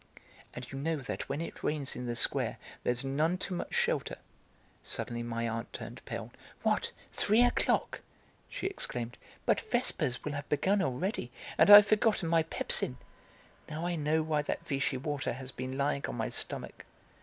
"And you know that when it rains in the Square there's none too much shelter." Suddenly my aunt turned pale. "What, three o'clock!" she exclaimed. "But vespers will have begun already, and I've forgotten my pepsin! Now I know why that Vichy water has been lying on my stomach."